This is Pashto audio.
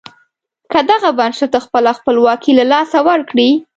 که دغه بنسټ خپله خپلواکي له لاسه ورکړي.